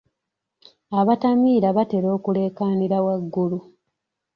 Abatamiira batera okuleekaanira waggulu.